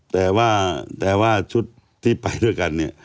แต่ว่าชุดที่ไปด้วยกัน